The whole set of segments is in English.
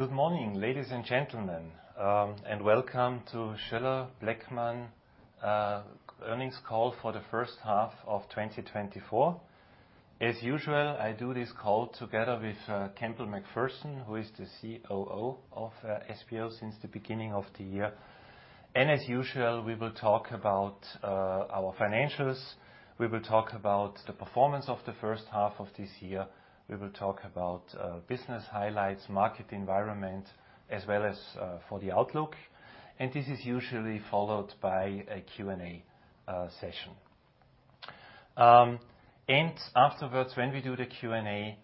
Good morning, ladies and gentlemen, and welcome to Schoeller-Bleckmann earnings call for the first half of 2024. As usual, I do this call together with Campbell MacPherson, who is the COO of SBO since the beginning of the year. As usual, we will talk about our financials. We will talk about the performance of the first half of this year. We will talk about business highlights, market environment, as well as for the outlook, and this is usually followed by a Q&A session. Afterwards, when we do the Q&A,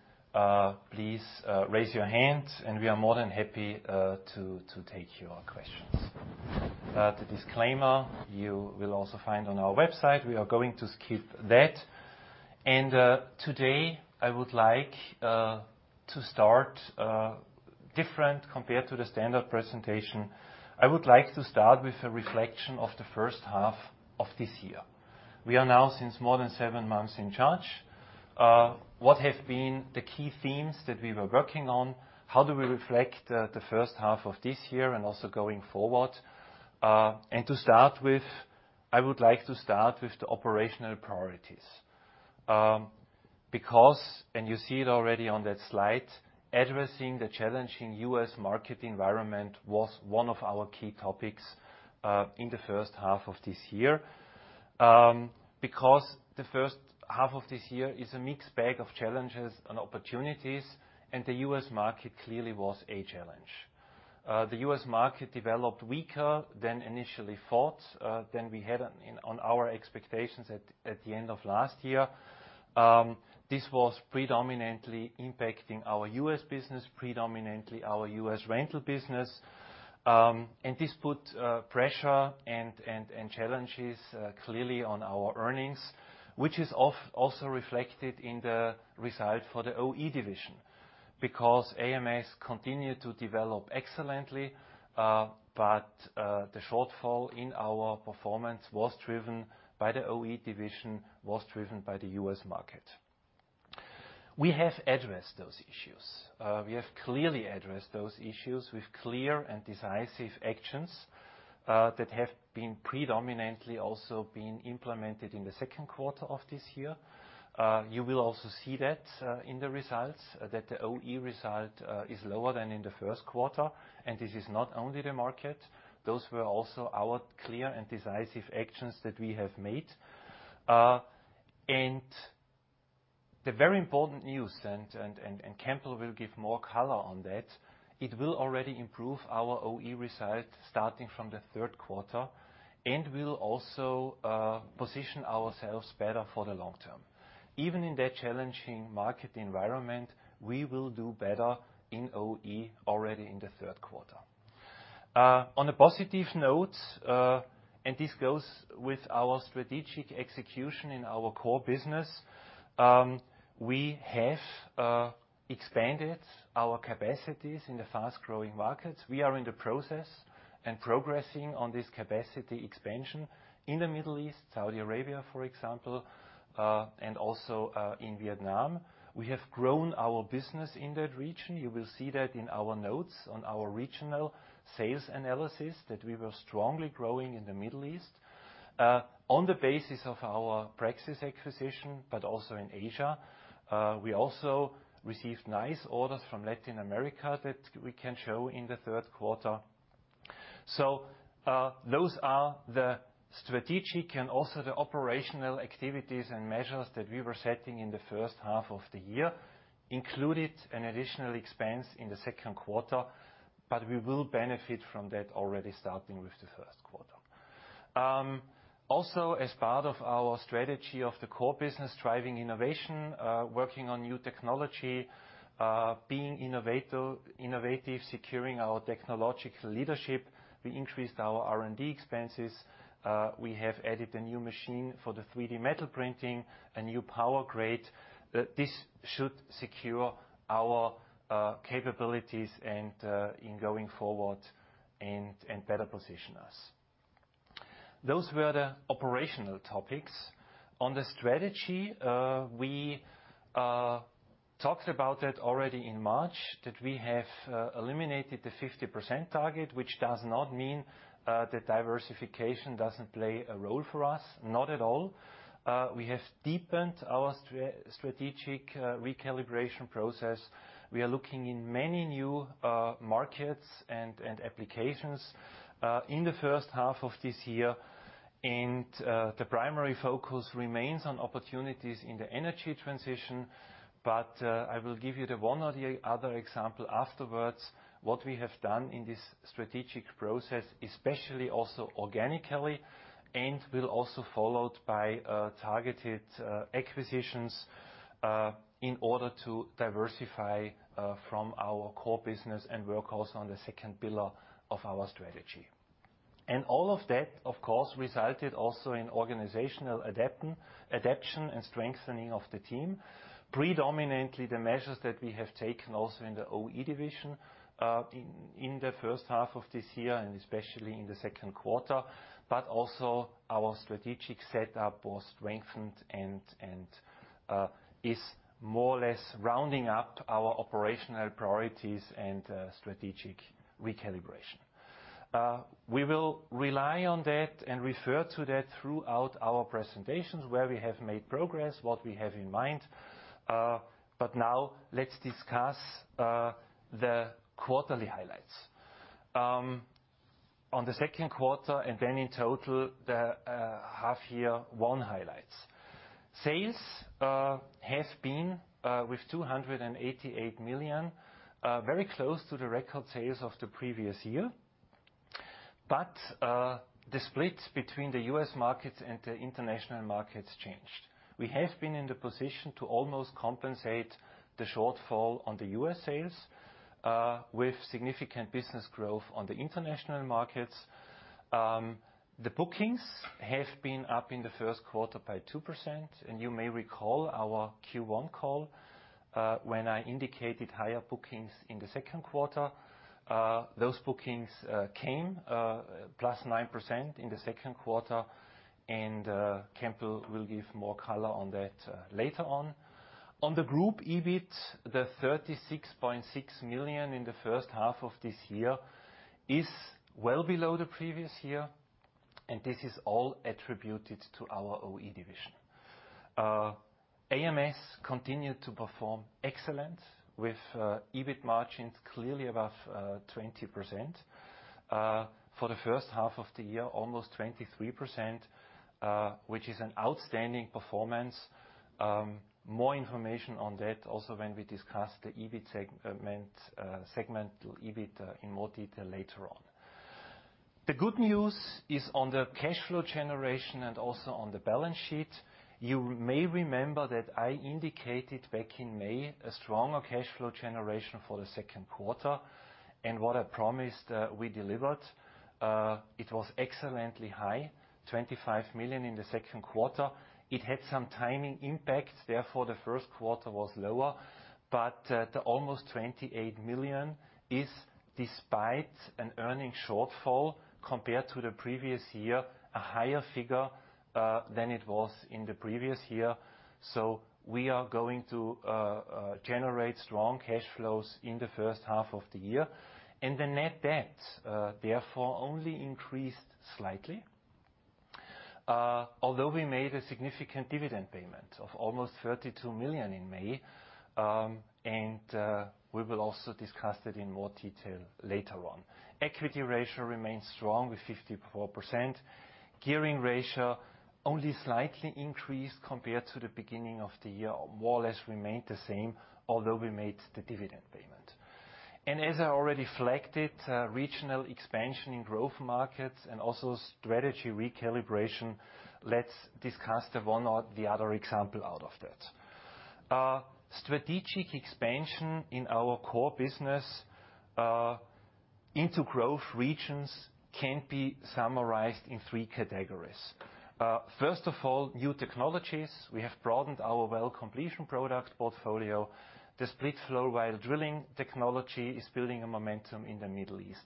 please raise your hand, and we are more than happy to take your questions. The disclaimer you will also find on our website. We are going to skip that. Today, I would like to start different compared to the standard presentation. I would like to start with a reflection of the first half of this year. We are now since more than seven months in charge. What have been the key themes that we were working on? How do we reflect the first half of this year and also going forward? To start with, I would like to start with the operational priorities. Because, and you see it already on that slide, addressing the challenging U.S. market environment was one of our key topics in the first half of this year. Because the first half of this year is a mixed bag of challenges and opportunities, and the U.S. market clearly was a challenge. The U.S. market developed weaker than initially thought than we had on our expectations at the end of last year. This was predominantly impacting our U.S. business, predominantly our U.S. rental business, and this put pressure and challenges clearly on our earnings, which is also reflected in the result for the OE division. Because AMS continued to develop excellently, but the shortfall in our performance was driven by the OE division, was driven by the U.S. market. We have addressed those issues. We have clearly addressed those issues with clear and decisive actions that have been predominantly also implemented in the second quarter of this year. You will also see that in the results, the OE result is lower than in the first quarter, and this is not only the market. Those were also our clear and decisive actions that we have made, and the very important news, and Campbell will give more color on that. It will already improve our OE result starting from the third quarter and will also position ourselves better for the long term. Even in that challenging market environment, we will do better in OE already in the third quarter. On a positive note, and this goes with our strategic execution in our core business, we have expanded our capacities in the fast-growing markets. We are in the process and progressing on this capacity expansion in the Middle East, Saudi Arabia, for example, and also in Vietnam. We have grown our business in that region. You will see that in our notes on our regional sales analysis, that we were strongly growing in the Middle East. On the basis of our Praxis acquisition, but also in Asia, we also received nice orders from Latin America that we can show in the third quarter. So, those are the strategic and also the operational activities and measures that we were setting in the first half of the year, included an additional expense in the second quarter, but we will benefit from that already starting with the first quarter. Also, as part of our strategy of the core business, driving innovation, working on new technology, being innovative, securing our technological leadership, we increased our R&D expenses. We have added a new machine for the 3D metal printing, a new powder grade. This should secure our capabilities and in going forward and better position us. Those were the operational topics. On the strategy, we talked about that already in March, that we have eliminated the 50% target, which does not mean that diversification doesn't play a role for us. Not at all. We have deepened our strategic recalibration process. We are looking in many new markets and applications in the first half of this year, and the primary focus remains on opportunities in the energy transition, but I will give you the one or the other example afterwards, what we have done in this strategic process, especially also organically, and will also followed by targeted acquisitions in order to diversify from our core business and work also on the second pillar of our strategy, and all of that, of course, resulted also in organizational adaptation and strengthening of the team. Predominantly, the measures that we have taken also in the OE division, in the first half of this year, and especially in the second quarter, but also our strategic setup was strengthened and is more or less rounding up our operational priorities and strategic recalibration. We will rely on that and refer to that throughout our presentations, where we have made progress, what we have in mind. But now let's discuss the quarterly highlights. On the second quarter, and then in total, the half year one highlights. Sales have been with 288 million very close to the record sales of the previous year. But the split between the U.S. markets and the international markets changed. We have been in the position to almost compensate the shortfall on the U.S. sales with significant business growth on the international markets. The bookings have been up in the first quarter by 2%, and you may recall our Q1 call when I indicated higher bookings in the second quarter. Those bookings came plus 9% in the second quarter, and Campbell will give more color on that later on. On the Group EBIT, the 36.6 million in the first half of this year is well below the previous year, and this is all attributed to our OE division. AMS continued to perform excellent with EBIT margins clearly above 20%. For the first half of the year, almost 23%, which is an outstanding performance. More information on that also when we discuss the EBIT segment, segmental EBIT, in more detail later on. The good news is on the cash flow generation and also on the balance sheet. You may remember that I indicated back in May a stronger cash flow generation for the second quarter, and what I promised, we delivered. It was excellently high, 25 million in the second quarter. It had some timing impacts, therefore, the first quarter was lower, but the almost 28 million is, despite an earnings shortfall compared to the previous year, a higher figure than it was in the previous year. So we are going to generate strong cash flows in the first half of the year. And the net debt therefore only increased slightly, although we made a significant dividend payment of almost 32 million in May, and we will also discuss that in more detail later on. Equity ratio remains strong with 54%. Gearing ratio only slightly increased compared to the beginning of the year, more or less remained the same, although we made the dividend payment. And as I already flagged it, regional expansion in growth markets and also strategy recalibration. Let's discuss the one or the other example out of that. Strategic expansion in our core business into growth regions can be summarized in three categories. First of all, new technologies. We have broadened our well completion product portfolio. The Split Flow while drilling technology is building a momentum in the Middle East.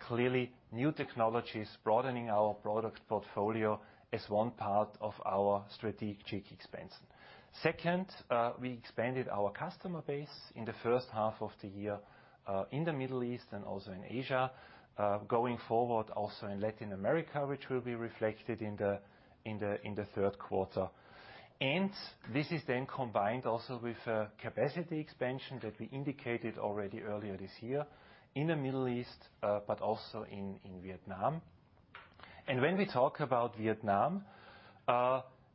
Clearly, new technologies, broadening our product portfolio is one part of our strategic expansion. Second, we expanded our customer base in the first half of the year in the Middle East and also in Asia. Going forward, also in Latin America, which will be reflected in the third quarter. This is then combined also with a capacity expansion that we indicated already earlier this year in the Middle East, but also in Vietnam. When we talk about Vietnam,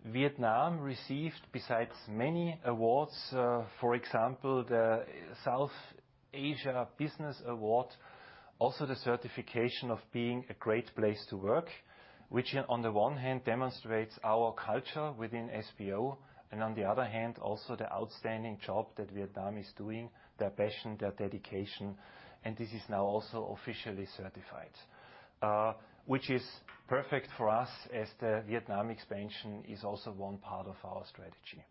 Vietnam received, besides many awards, for example, the South Asia Business Award, also the certification of being a Great Place to Work, which on the one hand, demonstrates our culture within SBO, and on the other hand, also the outstanding job that Vietnam is doing, their passion, their dedication, and this is now also officially certified. Which is perfect for us, as the Vietnam expansion is also one part of our strategy.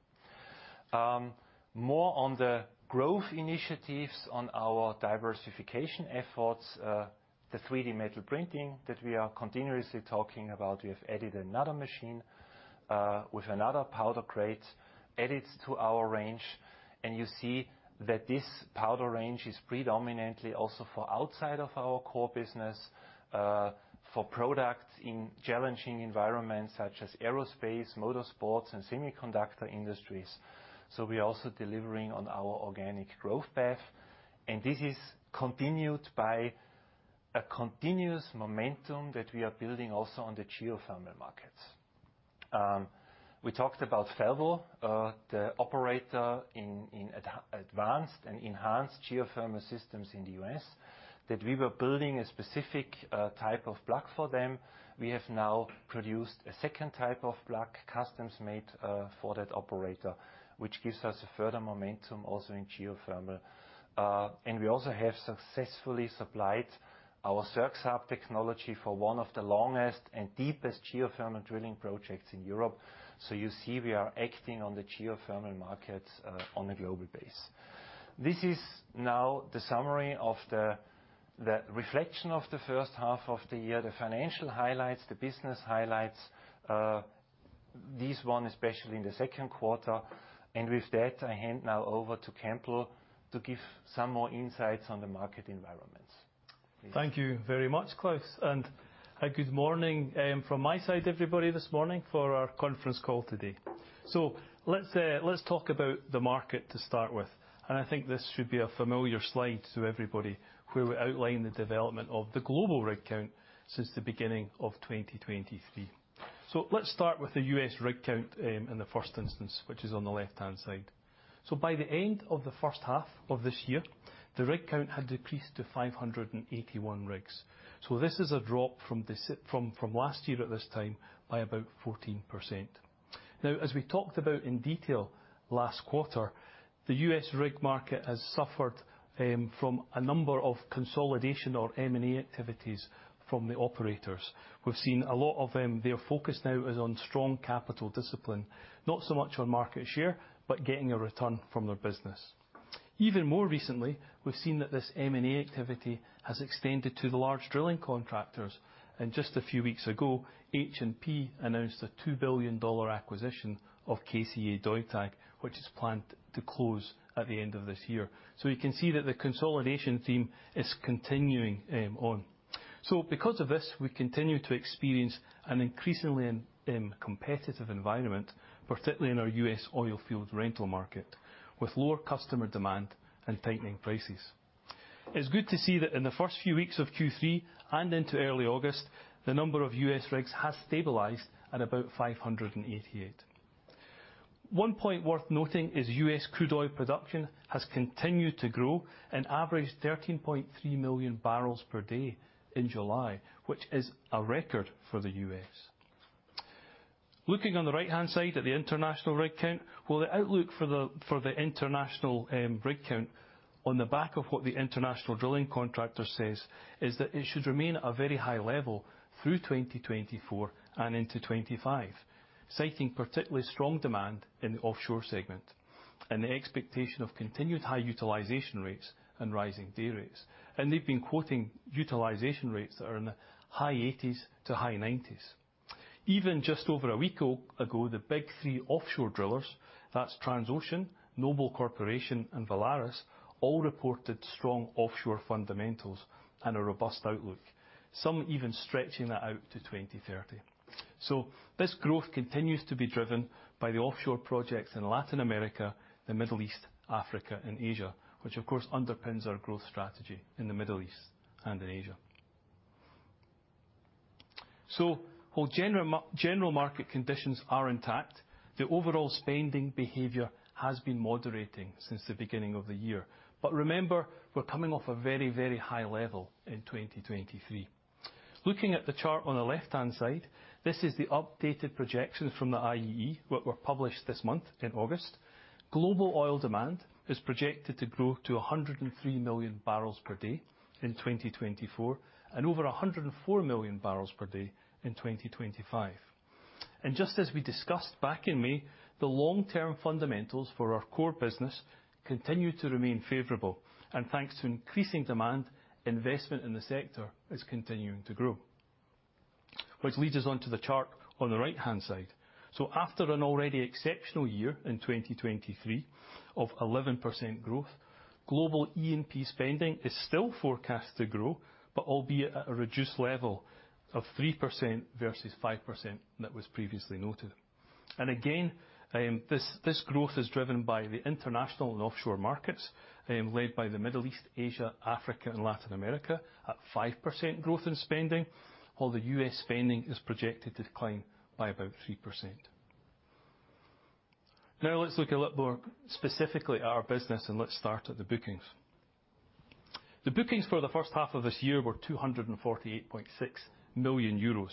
More on the growth initiatives, on our diversification efforts, the 3D metal printing that we are continuously talking about. We have added another machine, with another powder grade added to our range, and you see that this powder range is predominantly also for outside of our core business, for products in challenging environments such as aerospace, motorsports, and semiconductor industries. So we are also delivering on our organic growth path, and this is continued by a continuous momentum that we are building also on the geothermal markets. We talked about Fervo, the operator in advanced and enhanced geothermal systems in the US, that we were building a specific type of block for them. We have now produced a second type of block, custom-made, for that operator, which gives us a further momentum also in geothermal. And we also have successfully supplied our Circ-Sub technology for one of the longest and deepest geothermal drilling projects in Europe. So you see, we are acting on the geothermal markets, on a global base. This is now the summary of the reflection of the first half of the year, the financial highlights, the business highlights, this one, especially in the second quarter. And with that, I hand now over to Campbell to give some more insights on the market environments. Please. Thank you very much, Klaus, and a good morning from my side, everybody, this morning for our conference call today. Let's talk about the market to start with. I think this should be a familiar slide to everybody, where we outline the development of the global rig count since the beginning of 2023. Let's start with the U.S. rig count in the first instance, which is on the left-hand side. By the end of the first half of this year, the rig count had decreased to 581 rigs. This is a drop from last year at this time by about 14%. Now, as we talked about in detail last quarter, the U.S. rig market has suffered from a number of consolidation or M&A activities from the operators. We've seen a lot of them, their focus now is on strong capital discipline, not so much on market share, but getting a return from their business. Even more recently, we've seen that this M&A activity has extended to the large drilling contractors, and just a few weeks ago, H&P announced a $2 billion acquisition of KCA Deutag, which is planned to close at the end of this year, so you can see that the consolidation theme is continuing on, so because of this, we continue to experience an increasingly competitive environment, particularly in our U.S. oilfield rental market, with lower customer demand and tightening prices. It's good to see that in the first few weeks of Q3 and into early August, the number of U.S. rigs has stabilized at about 588. One point worth noting is U.S. crude oil production has continued to grow and averaged 13.3 million barrels per day in July, which is a record for the U.S. Looking on the right-hand side at the international rig count, well, the outlook for the international rig count, on the back of what the international drilling contractor says, is that it should remain at a very high level through 2024 and into 2025, citing particularly strong demand in the offshore segment and the expectation of continued high utilization rates and rising day rates. They've been quoting utilization rates that are in the high 80s to high 90s. Even just over a week ago, the Big Three offshore drillers, that's Transocean, Noble Corporation, and Valaris, all reported strong offshore fundamentals and a robust outlook, some even stretching that out to 2030. So this growth continues to be driven by the offshore projects in Latin America, the Middle East, Africa, and Asia, which of course underpins our growth strategy in the Middle East and in Asia. So while general market conditions are intact, the overall spending behavior has been moderating since the beginning of the year. But remember, we're coming off a very, very high level in 2023. Looking at the chart on the left-hand side, this is the updated projections from the IEA, which were published this month in August. Global oil demand is projected to grow to 103 million barrels per day in 2024, and over 104 million barrels per day in 2025. Just as we discussed back in May, the long-term fundamentals for our core business continue to remain favorable, and thanks to increasing demand, investment in the sector is continuing to grow. Which leads us on to the chart on the right-hand side. After an already exceptional year in 2023 of 11% growth, global E&P spending is still forecast to grow, but albeit at a reduced level of 3% versus 5%, that was previously noted. Again, this growth is driven by the international and offshore markets, led by the Middle East, Asia, Africa, and Latin America, at 5% growth in spending, while the U.S. spending is projected to decline by about 3%. Now, let's look a little more specifically at our business, and let's start at the bookings. The bookings for the first half of this year were 248.6 million euros.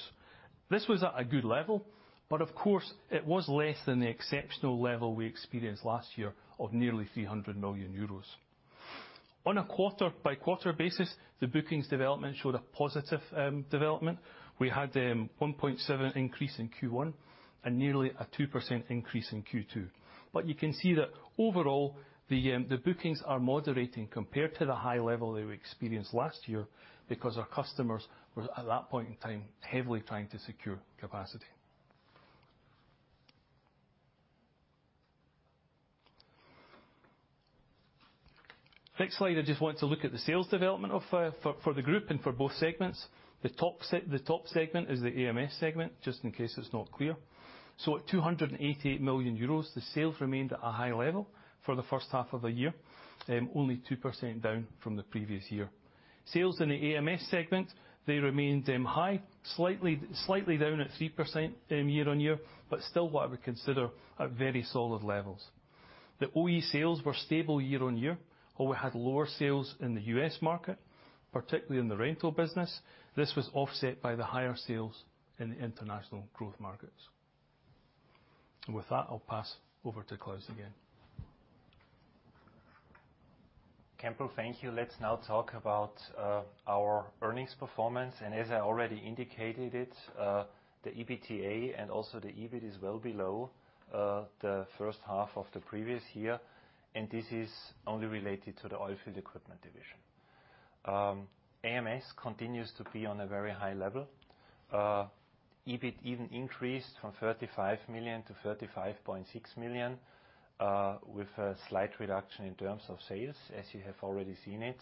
This was at a good level, but of course, it was less than the exceptional level we experienced last year of nearly 300 million euros. On a quarter-by-quarter basis, the bookings development showed a positive development. We had 1.7% increase in Q1 and nearly a 2% increase in Q2, but you can see that overall, the bookings are moderating compared to the high level that we experienced last year because our customers were, at that point in time, heavily trying to secure capacity. Next slide, I just want to look at the sales development of for the group and for both segments. The top segment is the AMS segment, just in case it's not clear. So at 288 million euros, the sales remained at a high level for the first half of the year, only 2% down from the previous year. Sales in the AMS segment, they remained, high, slightly, slightly down at 3%, year on year, but still what I would consider at very solid levels. The OE sales were stable year on year, while we had lower sales in the U.S. market, particularly in the rental business. This was offset by the higher sales in the international growth markets. And with that, I'll pass over to Klaus again.... Campbell, thank you. Let's now talk about our earnings performance. And as I already indicated it, the EBITDA and also the EBIT is well below the first half of the previous year, and this is only related to the oilfield equipment division. AMS continues to be on a very high level. EBIT even increased from 35 million to 35.6 million with a slight reduction in terms of sales, as you have already seen it.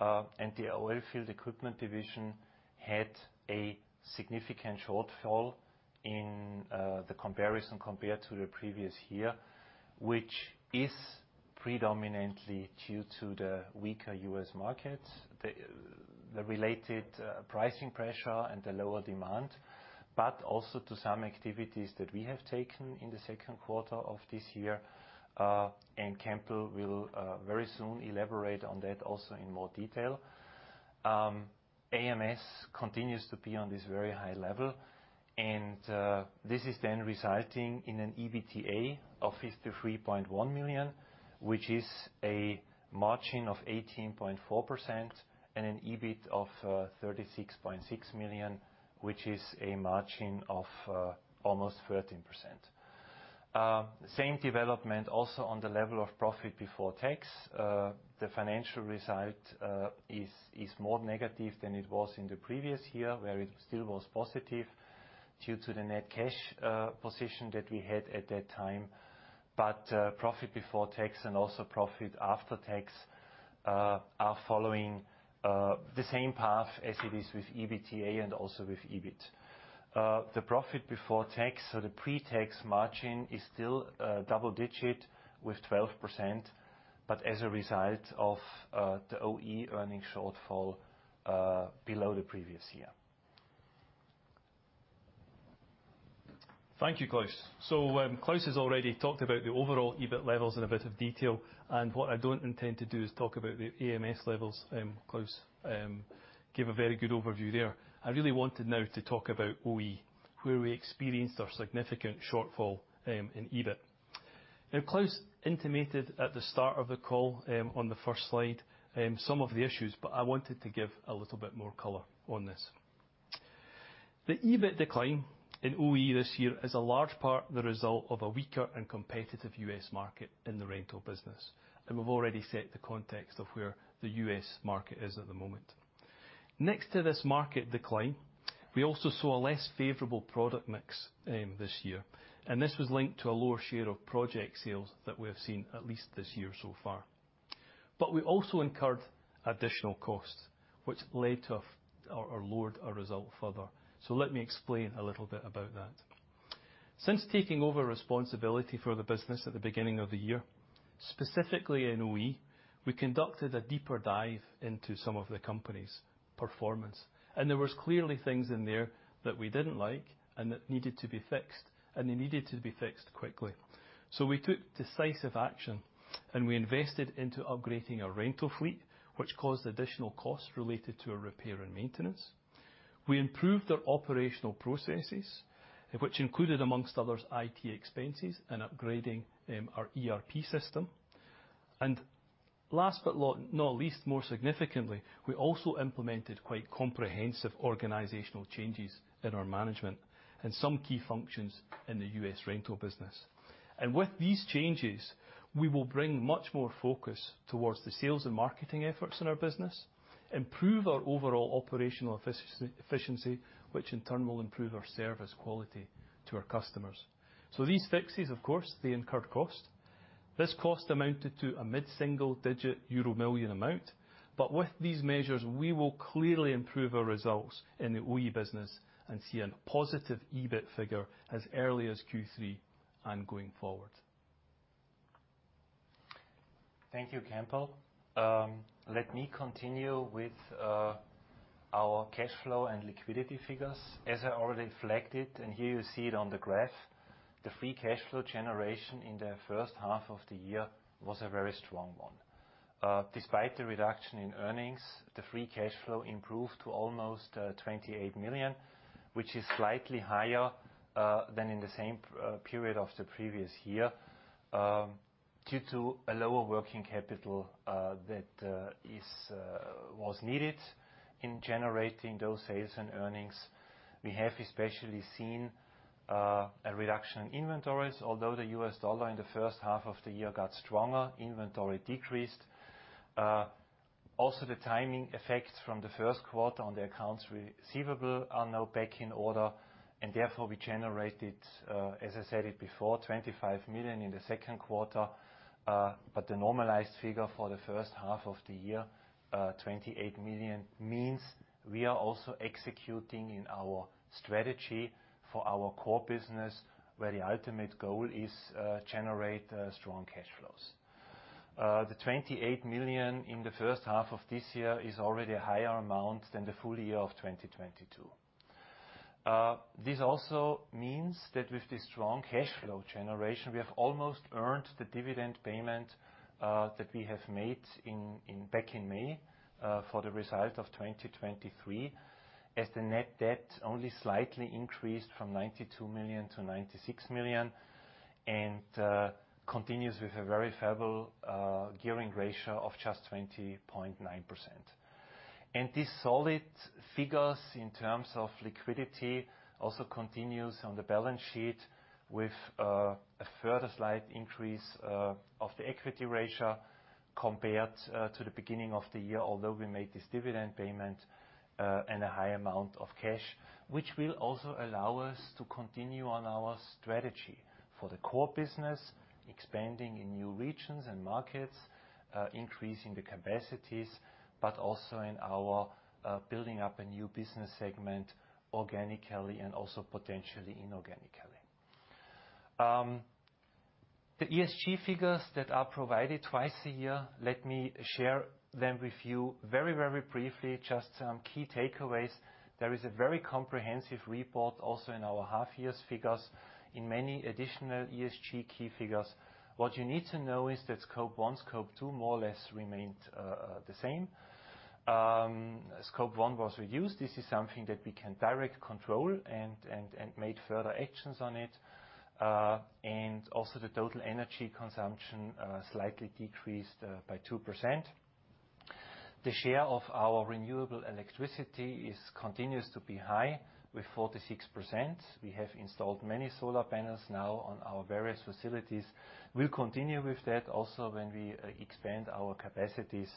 And the oilfield equipment division had a significant shortfall in the comparison to the previous year, which is predominantly due to the weaker U.S. markets, the related pricing pressure, and the lower demand, but also to some activities that we have taken in the second quarter of this year. And Campbell will very soon elaborate on that also in more detail. AMS continues to be on this very high level, and this is then resulting in an EBITDA of 53.1 million, which is a margin of 18.4% and an EBIT of 36.6 million, which is a margin of almost 13%. Same development also on the level of profit before tax. The financial result is more negative than it was in the previous year, where it still was positive due to the net cash position that we had at that time. Profit before tax and also profit after tax are following the same path as it is with EBITDA and also with EBIT. The profit before tax, so the pre-tax margin, is still double digit with 12%, but as a result of the OE earnings shortfall below the previous year. Thank you, Klaus. So, Klaus has already talked about the overall EBIT levels in a bit of detail, and what I don't intend to do is talk about the AMS levels. Klaus gave a very good overview there. I really wanted now to talk about OE, where we experienced our significant shortfall in EBIT. Now, Klaus intimated at the start of the call, on the first slide, some of the issues, but I wanted to give a little bit more color on this. The EBIT decline in OE this year is a large part the result of a weaker and competitive U.S. market in the rental business, and we've already set the context of where the U.S. market is at the moment. Next to this market decline, we also saw a less favorable product mix, this year, and this was linked to a lower share of project sales that we have seen at least this year so far, but we also incurred additional costs, which led to, or lowered our result further, so let me explain a little bit about that. Since taking over responsibility for the business at the beginning of the year, specifically in OE, we conducted a deeper dive into some of the company's performance, and there was clearly things in there that we didn't like and that needed to be fixed, and they needed to be fixed quickly, so we took decisive action, and we invested into upgrading our rental fleet, which caused additional costs related to our repair and maintenance. We improved our operational processes, which included, among others, IT expenses and upgrading our ERP system. And last but not least, more significantly, we also implemented quite comprehensive organizational changes in our management and some key functions in the U.S. rental business. And with these changes, we will bring much more focus towards the sales and marketing efforts in our business, improve our overall operational efficiency, which in turn will improve our service quality to our customers. So these fixes, of course, they incurred cost. This cost amounted to a mid-single-digit EURO million amount, but with these measures, we will clearly improve our results in the OE business and see a positive EBIT figure as early as Q3 and going forward. Thank you, Campbell. Let me continue with our cash flow and liquidity figures. As I already flagged it, and here you see it on the graph, the free cash flow generation in the first half of the year was a very strong one. Despite the reduction in earnings, the free cash flow improved to almost 28 million, which is slightly higher than in the same period of the previous year, due to a lower working capital that was needed in generating those sales and earnings. We have especially seen a reduction in inventories. Although the U.S. dollar in the first half of the year got stronger, inventory decreased. Also, the timing effects from the first quarter on the accounts receivable are now back in order, and therefore, we generated, as I said it before, 25 million in the second quarter. But the normalized figure for the first half of the year, 28 million, means we are also executing in our strategy for our core business, where the ultimate goal is generate strong cash flows. The 28 million in the first half of this year is already a higher amount than the full year of 2022. This also means that with the strong cash flow generation, we have almost earned the dividend payment that we have made back in May for the result of 2023, as the net debt only slightly increased from 92 million to 96 million. And it continues with a very favorable gearing ratio of just 20.9%. And these solid figures in terms of liquidity also continue on the balance sheet with a further slight increase of the equity ratio compared to the beginning of the year, although we made this dividend payment and a high amount of cash. Which will also allow us to continue on our strategy for the core business, expanding in new regions and markets, increasing the capacities, but also in our building up a new business segment organically and also potentially inorganically. The ESG figures that are provided twice a year, let me share them with you very, very briefly, just some key takeaways. There is a very comprehensive report, also in our half-year figures, in many additional ESG key figures. What you need to know is that Scope one, Scope two more or less remained the same. Scope one was reduced. This is something that we can direct control and made further actions on it. And also the total energy consumption slightly decreased by 2%. The share of our renewable electricity is continues to be high with 46%. We have installed many solar panels now on our various facilities. We'll continue with that also when we expand our capacities.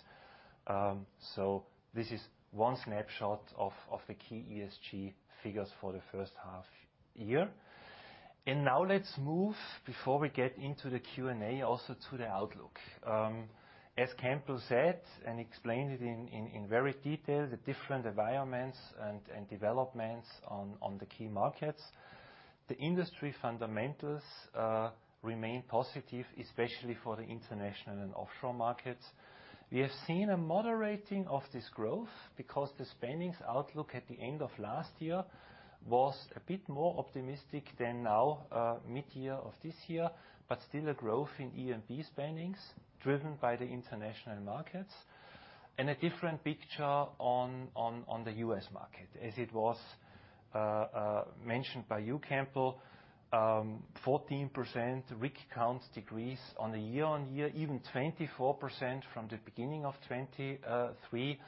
So this is one snapshot of the key ESG figures for the first half year. And now let's move before we get into the Q&A, also to the outlook. As Campbell said, and explained it in very detail, the different environments and developments on the key markets. The industry fundamentals remain positive, especially for the international and offshore markets. We have seen a moderating of this growth because the spending outlook at the end of last year was a bit more optimistic than now, mid-year of this year, but still a growth in E&P spending, driven by the international markets, and a different picture on the U.S market. As it was mentioned by you, Campbell, 14% rig count decrease on a year-on-year, even 24% from the beginning of 2023.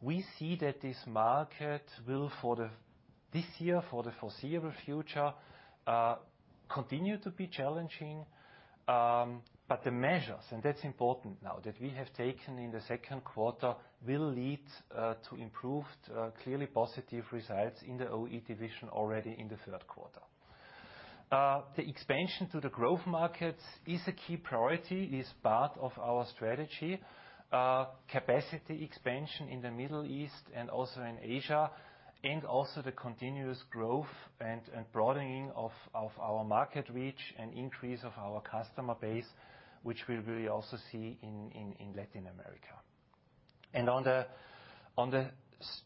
We see that this market will for this year, for the foreseeable future, continue to be challenging, but the measures, and that's important now, that we have taken in the second quarter, will lead to improved, clearly positive results in the OE division already in the third quarter. The expansion to the growth markets is a key priority, is part of our strategy. Capacity expansion in the Middle East and also in Asia, and also the continuous growth and broadening of our market reach and increase of our customer base, which we really also see in Latin America. On the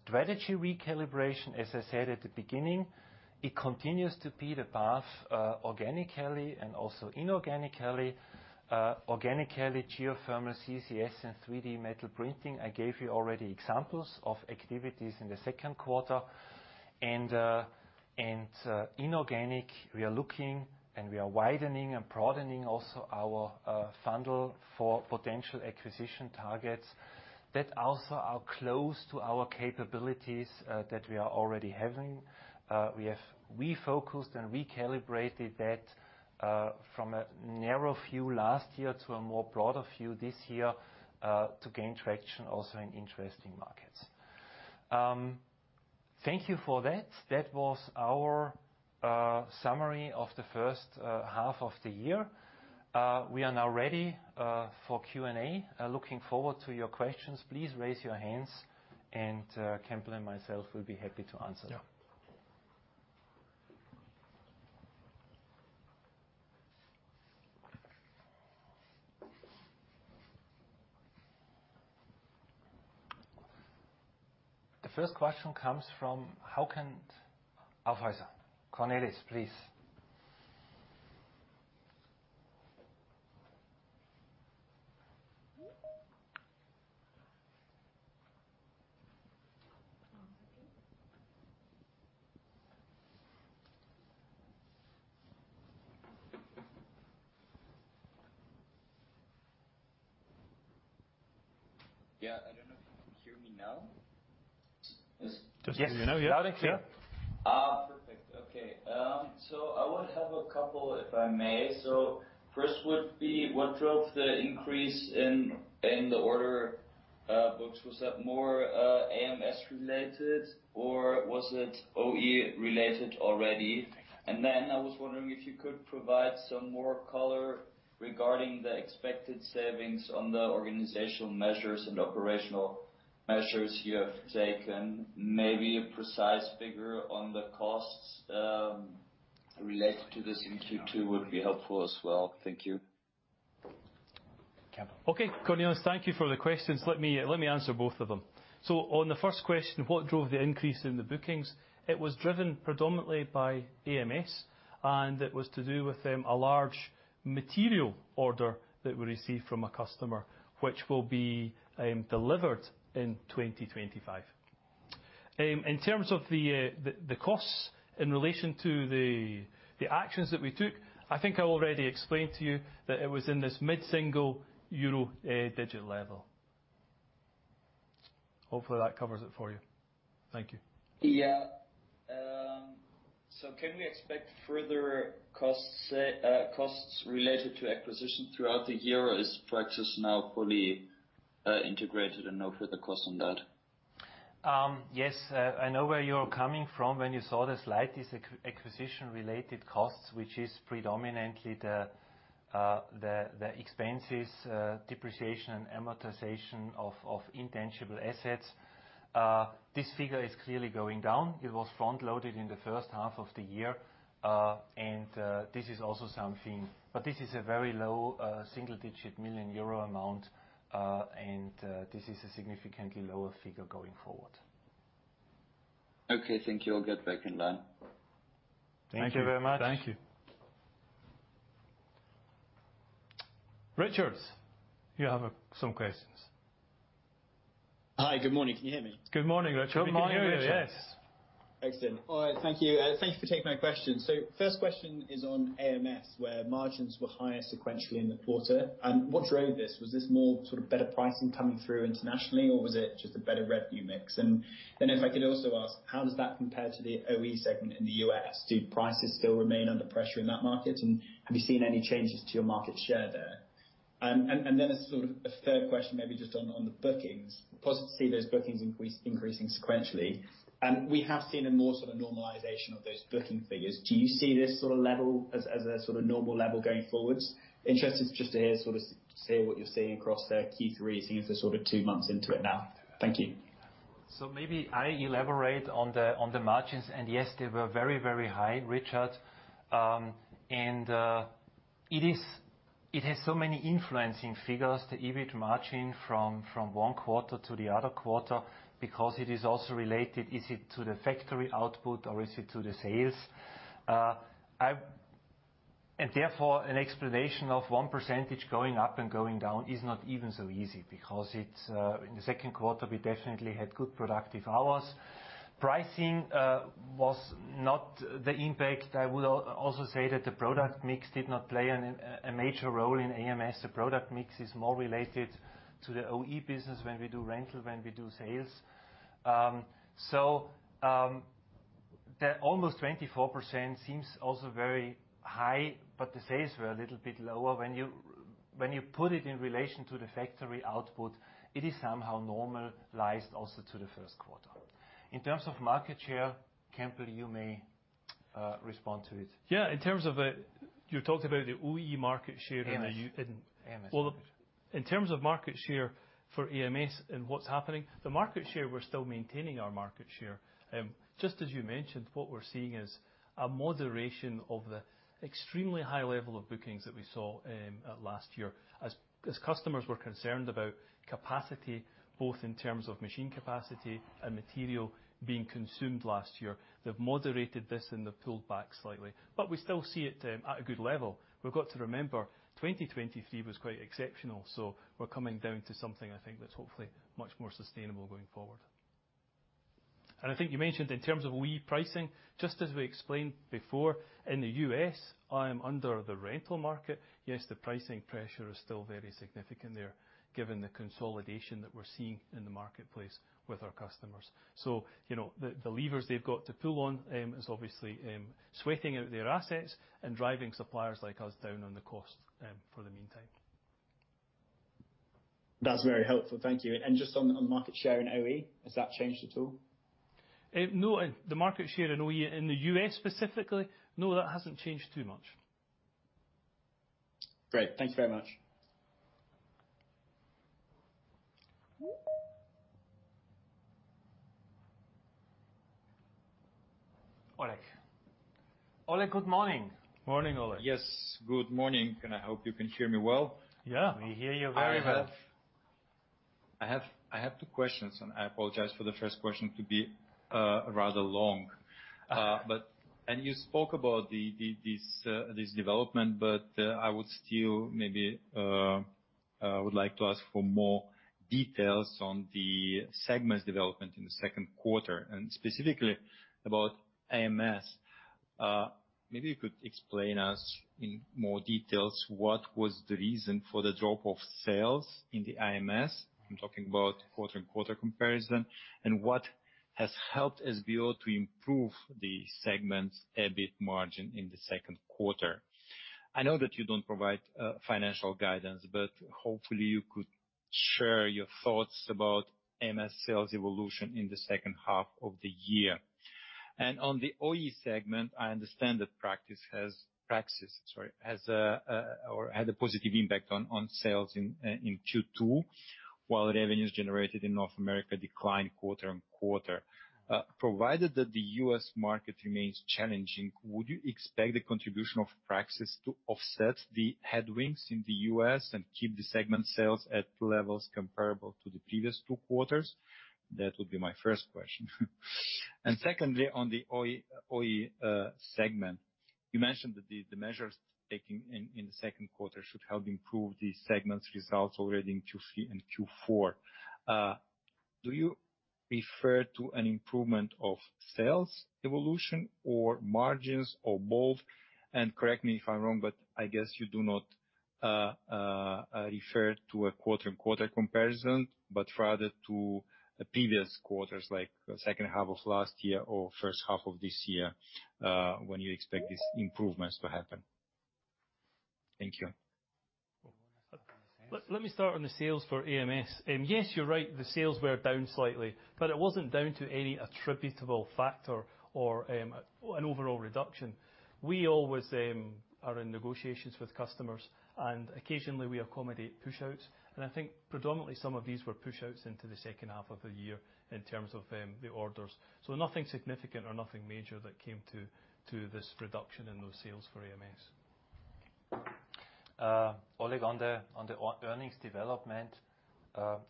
strategy recalibration, as I said at the beginning, it continues to be the path, organically and also inorganically. Organically, geothermal, CCS, and 3D metal printing. I gave you already examples of activities in the second quarter. Inorganic, we are looking, and we are widening and broadening also our funnel for potential acquisition targets that also are close to our capabilities, that we are already having. We have refocused and recalibrated that, from a narrow view last year to a more broader view this year, to gain traction also in interesting markets. Thank you for that. That was our summary of the first half of the year. We are now ready for Q&A. Looking forward to your questions. Please raise your hands, and Campbell and myself will be happy to answer them. Yeah. The first question comes from Hauck Aufhäuser. Cornelis, please. Yeah. I don't know if you can hear me now? Yes. Just let me know, yeah. Yeah. Ah, perfect. Okay, so I would have a couple, if I may. So first would be: What drove the increase in the order books? Was that more AMS related, or was it OE related already? And then I was wondering if you could provide some more color regarding the expected savings on the organizational measures and operational measures you have taken. Maybe a precise figure on the costs related to this in Q2 would be helpful as well. Thank you. Campbell. Okay, Cornelis, thank you for the questions. Let me answer both of them. On the first question, what drove the increase in the bookings? It was driven predominantly by AMS, and it was to do with a large material order that we received from a customer, which will be delivered in 2025. In terms of the costs in relation to the actions that we took, I think I already explained to you that it was in this mid-single euro digit level. Hopefully, that covers it for you. Thank you. Yeah. So can we expect further costs related to acquisition throughout the year, or is Praxis now fully integrated and no further cost on that? Yes, I know where you're coming from. When you saw the slide, this acquisition-related costs, which is predominantly the expenses, depreciation and amortization of intangible assets. This figure is clearly going down. It was front-loaded in the first half of the year, and this is also something. But this is a very low, single-digit million EUR amount, and this is a significantly lower figure going forward. Okay, thank you. I'll get back in line. Thank you. Thank you very much. Thank you. Richard, you have some questions. Hi, good morning. Can you hear me? Good morning, Richard. Good morning, yes. We can hear you. Excellent. All right, thank you. Thank you for taking my question. So first question is on AMS, where margins were higher sequentially in the quarter. And what drove this? Was this more sort of better pricing coming through internationally, or was it just a better revenue mix? And then if I could also ask, how does that compare to the OE segment in the US? Do prices still remain under pressure in that market, and have you seen any changes to your market share there? And then a sort of a third question, maybe just on the bookings. Positive to see those bookings increasing sequentially. We have seen a more sort of normalization of those booking figures. Do you see this sort of level as a sort of normal level going forwards? Interested just to hear, sort of, say what you're seeing across the Q3, seeing as we're sort of two months into it now. Thank you. So maybe I elaborate on the margins, and yes, they were very, very high, Richard. It has so many influencing figures, the EBIT margin, from one quarter to the other quarter, because it is also related to the factory output or to the sales. Therefore, an explanation of one percentage going up and going down is not even so easy because it's in the second quarter, we definitely had good productive hours. Pricing was not the impact. I would also say that the product mix did not play a major role in AMS. The product mix is more related to the OE business when we do rental, when we do sales. The almost 24% seems also very high, but the sales were a little bit lower. When you put it in relation to the factory output, it is somehow normalized also to the first quarter. In terms of market share, Campbell, you may respond to it. Yeah, in terms of the, you talked about the OE market share and the- AMS. And- AMS. In terms of market share for AMS and what's happening, the market share, we're still maintaining our market share. Just as you mentioned, what we're seeing is a moderation of the extremely high level of bookings that we saw last year. As customers were concerned about capacity, both in terms of machine capacity and material being consumed last year, they've moderated this, and they've pulled back slightly. But we still see it at a good level. We've got to remember, 2023 was quite exceptional, so we're coming down to something I think that's hopefully much more sustainable going forward. And I think you mentioned in terms of OE pricing, just as we explained before, in the U.S., under the rental market, yes, the pricing pressure is still very significant there, given the consolidation that we're seeing in the marketplace with our customers. So, you know, the levers they've got to pull on is obviously sweating out their assets and driving suppliers like us down on the cost for the meantime. That's very helpful. Thank you. And just on the market share in OE, has that changed at all? No, the market share in OE in the U.S. specifically, no, that hasn't changed too much. Great. Thank you very much. Oleg. Oleg, good morning. Morning, Oleg. Yes, good morning, and I hope you can hear me well. Yeah, we hear you very well. I have two questions, and I apologize for the first question to be rather long. But you spoke about this development, but I would still maybe would like to ask for more details on the segment's development in the second quarter, and specifically about AMS. Maybe you could explain us in more details what was the reason for the drop of sales in the AMS. I'm talking about quarter and quarter comparison, and what has helped SBO to improve the segment's EBIT margin in the second quarter. I know that you don't provide financial guidance, but hopefully you could share your thoughts about AMS sales evolution in the second half of the year. On the OE segment, I understand that Praxis, sorry, has had a positive impact on sales in Q2, while revenues generated in North America declined quarter on quarter. Provided that the U.S. market remains challenging, would you expect the contribution of Praxis to offset the headwinds in the U.S. and keep the segment sales at levels comparable to the previous two quarters? That would be my first question. Secondly, on the OE segment, you mentioned that the measures taken in the second quarter should help improve the segment's results already in Q3 and Q4. Do you refer to an improvement of sales evolution or margins or both? Correct me if I'm wrong, but I guess you do not refer to a quarter-on-quarter comparison, but rather to the previous quarters, like the second half of last year or first half of this year, when you expect these improvements to happen. Thank you. Let me start on the sales for AMS. Yes, you're right, the sales were down slightly, but it wasn't down to any attributable factor or an overall reduction. We always are in negotiations with customers, and occasionally, we accommodate pushouts. And I think predominantly some of these were pushouts into the second half of the year in terms of the orders. So nothing significant or nothing major that came to this reduction in those sales for AMS. Oleg, on the earnings development,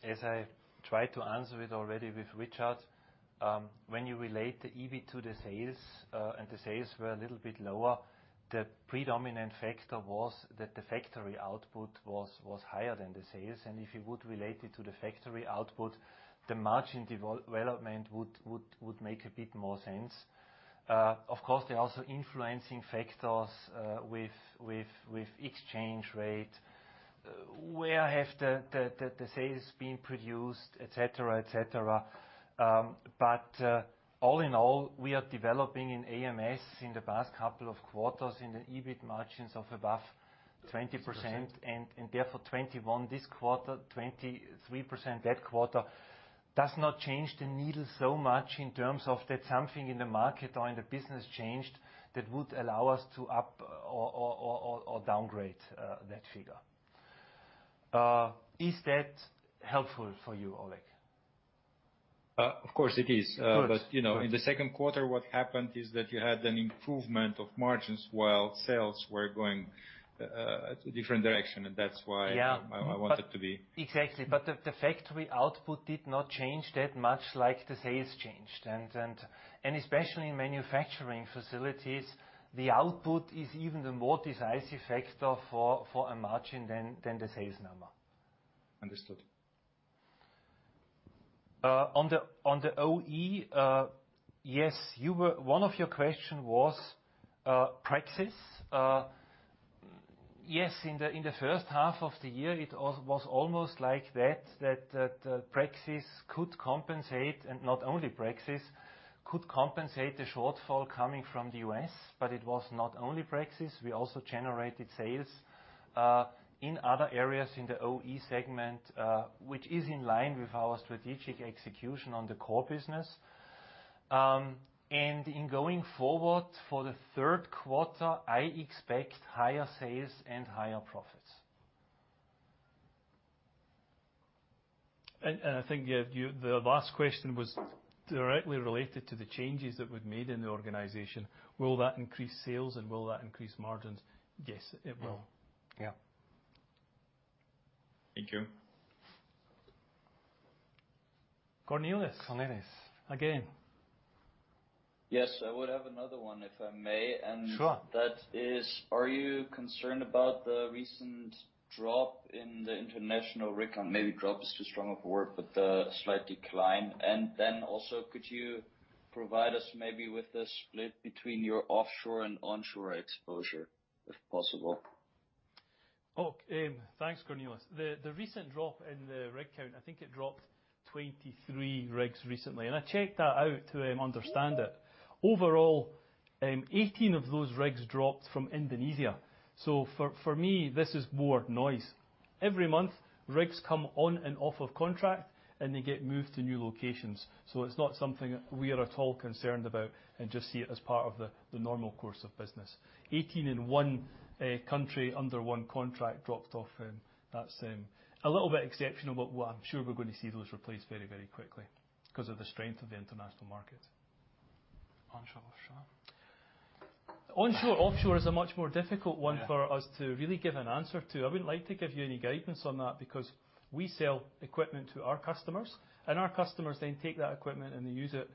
as I tried to answer it already with Richard, when you relate the EBIT to the sales, and the sales were a little bit lower, the predominant factor was that the factory output was higher than the sales. And if you would relate it to the factory output, the margin development would make a bit more sense. Of course, there are also influencing factors with exchange rate, where the sales have been produced, et cetera, et cetera. But all in all, we are developing in AMS in the past couple of quarters in the EBIT margins of above 20%- Mm-hmm. Therefore, 21 this quarter, 23% that quarter, does not move the needle so much in terms of that something in the market or in the business changed that would allow us to upgrade or downgrade that figure. Is that helpful for you, Oleg? Of course, it is. Good. But, you know, in the second quarter, what happened is that you had an improvement of margins while sales were going a different direction, and that's why- Yeah... I want it to be. Exactly, but the factory output did not change that much like the sales changed. And especially in manufacturing facilities, the output is even the more decisive factor for a margin than the sales number. Understood. On the OE, yes, you were. One of your question was Praxis. Yes, in the first half of the year, it was almost like that Praxis could compensate, and not only Praxis, could compensate the shortfall coming from the US, but it was not only Praxis. We also generated sales in other areas in the OE segment, which is in line with our strategic execution on the core business. And going forward, for the third quarter, I expect higher sales and higher profits. I think, yeah, you, the last question was directly related to the changes that we've made in the organization. Will that increase sales, and will that increase margins? Yes, it will. Yeah. Thank you. Cornelis. Cornelis, again. Yes, I would have another one, if I may. Sure. And that is, are you concerned about the recent drop in the international rig count? Maybe drop is too strong a word, but the slight decline. And then also, could you provide us maybe with a split between your offshore and onshore exposure, if possible? Thanks, Cornelis. The recent drop in the rig count, I think it dropped 23 rigs recently, and I checked that out to understand it. Overall, eighteen of those rigs dropped from Indonesia, so for me, this is more noise. Every month, rigs come on and off of contract, and they get moved to new locations, so it's not something we are at all concerned about and just see it as part of the normal course of business. Eighteen in one country under one contract dropped off, and that's a little bit exceptional, but well, I'm sure we're going to see those replaced very, very quickly because of the strength of the international market. Onshore, offshore. Onshore, offshore is a much more difficult one. Yeah... for us to really give an answer to. I wouldn't like to give you any guidance on that because we sell equipment to our customers, and our customers then take that equipment, and they use it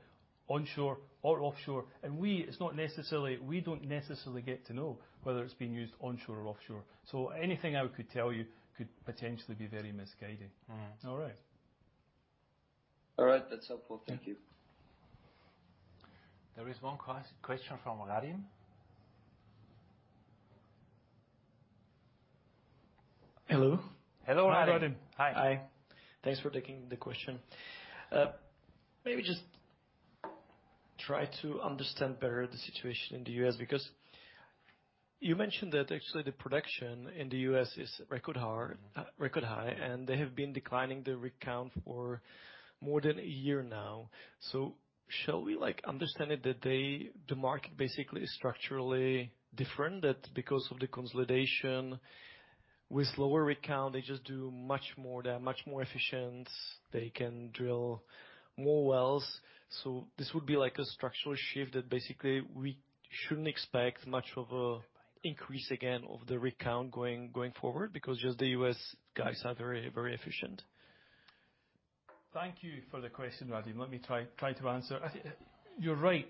onshore or offshore. And we, it's not necessarily... We don't necessarily get to know whether it's being used onshore or offshore. So anything I could tell you could potentially be very misleading. Mm. All right? All right. That's helpful. Thank you. There is one question from [Radim]. Hello. Hello, [Radim]. Hi. Hi. Thanks for taking the question. Maybe just try to understand better the situation in the U.S., because you mentioned that actually the production in the U.S. is record high, and they have been declining the rig count for more than a year now. So shall we, like, understand it, that they, the market basically is structurally different, that because of the consolidation with lower rig count, they just do much more, they are much more efficient, they can drill more wells? So this would be like a structural shift that basically we shouldn't expect much of an increase again of the rig count going forward because just the U.S. guys are very, very efficient? Thank you for the question, Radim. Let me try to answer. I think, you're right.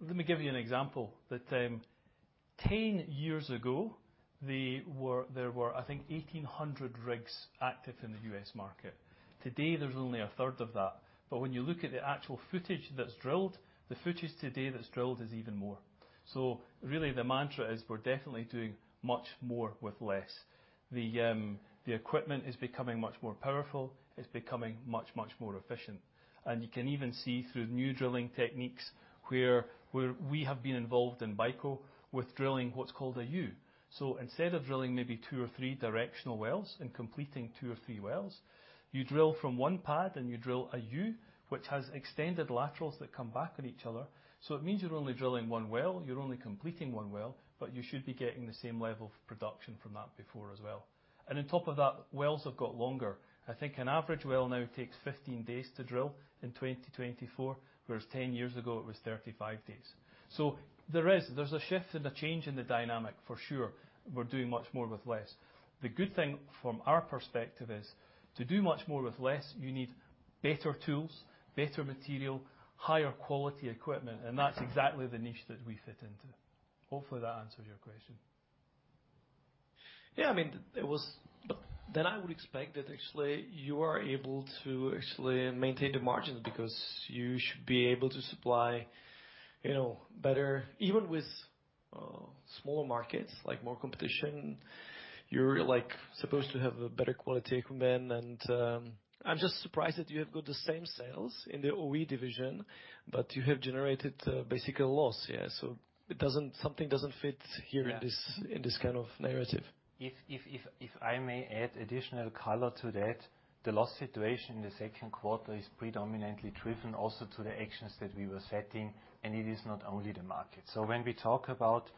Let me give you an example, that, ten years ago, there were, I think, 1,800 rigs active in the U.S. market. Today, there's only a third of that, but when you look at the actual footage that's drilled, the footage today that's drilled is even more. So really, the mantra is we're definitely doing much more with less. The equipment is becoming much more powerful, it's becoming much, much more efficient. And you can even see through new drilling techniques where we have been involved in BICO with drilling what's called a U-shape. So instead of drilling maybe two or three directional wells and completing two or three wells, you drill from one pad, and you drill a U, which has extended laterals that come back on each other. So it means you're only drilling one well, you're only completing one well, but you should be getting the same level of production from that before as well. And on top of that, wells have got longer. I think an average well now takes fifteen days to drill in 2024, whereas ten years ago it was thirty-five days. So there's a shift and a change in the dynamic, for sure. We're doing much more with less. The good thing from our perspective is to do much more with less, you need better tools, better material, higher quality equipment, and that's exactly the niche that we fit into. Hopefully, that answers your question. Yeah, I mean, it was. But then I would expect that actually, you are able to actually maintain the margins because you should be able to supply, you know, better. Even with smaller markets, like more competition, you're, like, supposed to have a better quality equipment. And I'm just surprised that you have got the same sales in the OE division, but you have generated basically a loss. Yeah, so it doesn't. Something doesn't fit here- Yeah... in this kind of narrative. If I may add additional color to that, the loss situation in the second quarter is predominantly driven also to the actions that we were setting, and it is not only the market. So when we talk about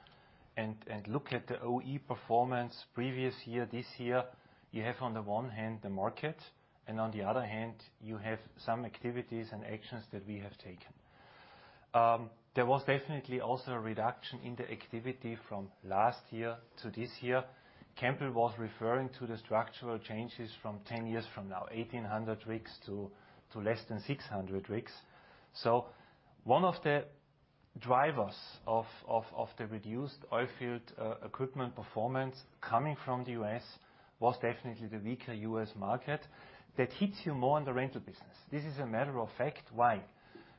and look at the OE performance previous year, this year, you have, on the one hand, the market, and on the other hand, you have some activities and actions that we have taken. There was definitely also a reduction in the activity from last year to this year. Campbell was referring to the structural changes from ten years ago, eighteen hundred rigs to less than six hundred rigs. So one of the drivers of the reduced oilfield equipment performance coming from the U.S. was definitely the weaker U.S. market. That hits you more in the rental business. This is a matter of fact. Why?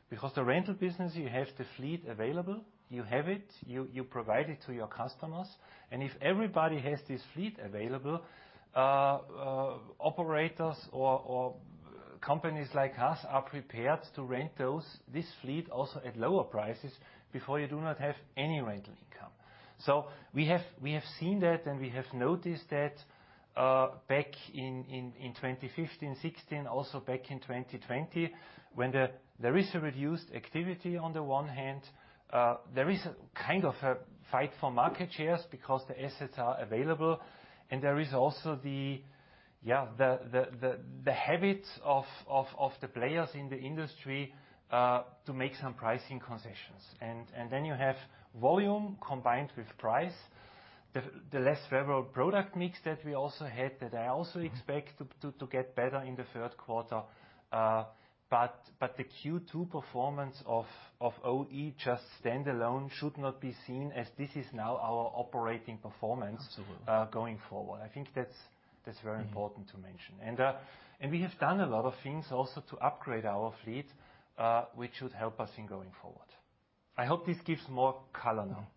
Because the rental business, you have the fleet available, you have it, you provide it to your customers, and if everybody has this fleet available, operators or companies like us are prepared to rent those, this fleet also at lower prices before you do not have any rental income. So we have seen that, and we have noticed that, back in 2015, 2016, also back in 2020, when there is a reduced activity on the one hand, there is kind of a fight for market shares because the assets are available, and there is also the habit of the players in the industry to make some pricing concessions. Then you have volume combined with price, the less favorable product mix that we also had, that I also expect to get better in the third quarter. The Q2 performance of OE just standalone should not be seen as this is now our operating performance- Absolutely... going forward. I think that's very important to mention. And we have done a lot of things also to upgrade our fleet, which should help us in going forward. I hope this gives more color now.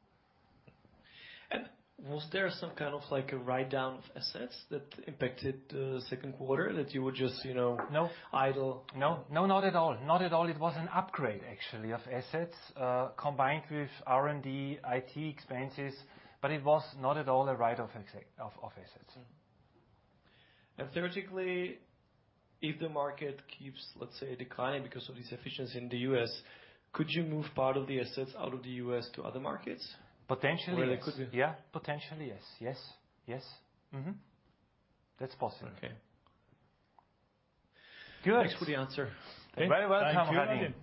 And, was there some kind of, like, a write-down of assets that impacted the second quarter that you would just, you know- No... idle? No. No, not at all. Not at all. It was an upgrade, actually, of assets, combined with R&D, IT expenses, but it was not at all a write-off of assets. Mm-hmm, and theoretically, if the market keeps, let's say, declining because of this efficiency in the U.S., could you move part of the assets out of the U.S. to other markets? Potentially, yes. Or they could you- Yeah. Potentially, yes. Yes, yes. Mm-hmm. That's possible. Okay. Good. Thanks for the answer. Very welcome, Radim. Thank you.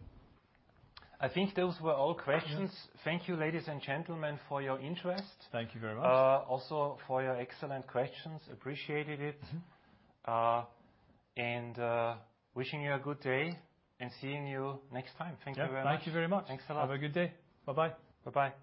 I think those were all questions. Thank you, ladies and gentlemen, for your interest. Thank you very much. Also for your excellent questions. Appreciated it. Mm-hmm. Wishing you a good day, and seeing you next time. Thank you very much. Yeah, thank you very much. Thanks a lot. Have a good day. Bye-bye. Bye-bye.